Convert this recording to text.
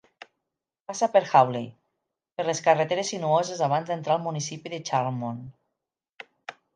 Passa per Hawley per les carreteres sinuoses abans d'entrar al municipi de Charlemont.